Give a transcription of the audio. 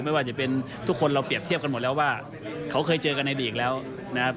ไม่ว่าจะเป็นทุกคนเราเปรียบเทียบกันหมดแล้วว่าเขาเคยเจอกันในลีกแล้วนะครับ